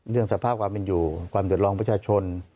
สภาพความเป็นอยู่ความเดือดร้อนประชาชน